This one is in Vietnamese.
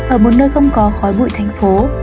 ở một nơi không có khói bụi thành phố